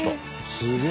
すげえ！